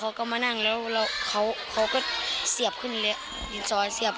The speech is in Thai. เขาก็มานั่งแล้วแล้วเขาเขาก็เสียบขึ้นเละดินซอยเสียบ